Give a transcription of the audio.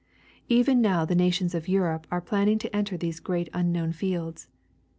Even now the nations of Europe are planning to enter these great unknown fields.